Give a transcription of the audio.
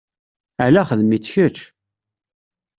Aṛṛa xdem-it kečč!